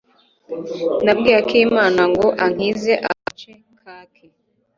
Nabwiye akimana ngo ankize agace kake.